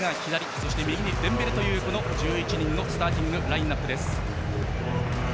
そして右にデンベレという１１人のスターティングラインナップです。